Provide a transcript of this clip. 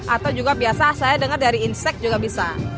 atau juga biasa saya dengar dari insek juga bisa